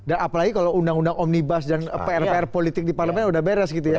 dan apalagi kalau undang undang omnibus dan pr pr politik di parlemen udah beres gitu ya